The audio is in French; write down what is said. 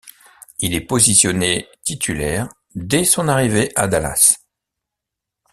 Il est positionné titulaire dès son arrivée à Dallas.